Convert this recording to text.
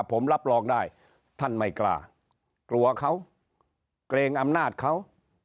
ผมรับรองได้ท่านไม่กล้ากลัวเขาเกรงอำนาจเขา